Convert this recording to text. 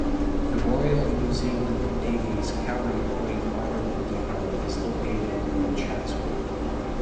The Royal New Zealand Navy's Kauri Point Armament Depot is located in Chatswood.